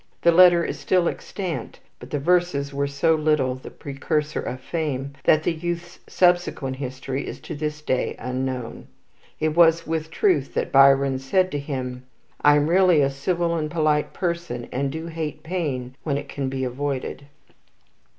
The letter is still extant; but the verses were so little the precursor of fame that the youth's subsequent history is to this day unknown. It was with truth that Byron said of himself: "I am really a civil and polite person, and do hate pain when it can be avoided."